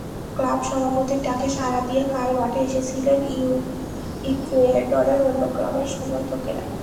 Club সভাপতির ডাকে সাড়া দিয়ে কাল মাঠে এসেছিলেন ইকুয়েডরের অন্য ক্লাবের সমর্থকেরা।